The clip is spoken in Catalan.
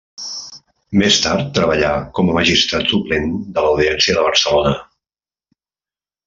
Més tard treballà com a Magistrat suplent de l'Audiència de Barcelona.